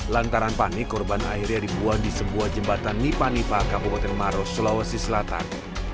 lantaran panik korban akhirnya dibuang di sebuah jembatan nipanipa kabupaten maros sulawesi selatan